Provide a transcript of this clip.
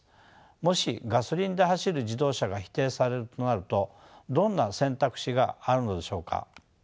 もしガソリンで走る自動車が否定されるとなるとどんな選択肢があるのでしょうか。